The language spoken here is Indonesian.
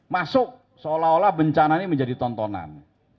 masuk seolah olah bencana ini menjadi tontonan